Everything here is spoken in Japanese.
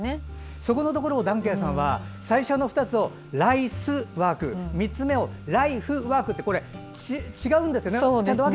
そこのところを談慶さんは、最初の２つをライスワーク３つ目をライフワークってこれ、違うんですよね。